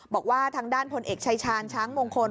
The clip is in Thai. บอกว่าทางด้านพลเอกชายชาญช้างมงคล